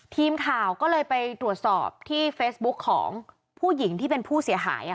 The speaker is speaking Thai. ทีมข่าวก็เลยไปตรวจสอบที่เฟซบุ๊กของผู้หญิงที่เป็นผู้เสียหาย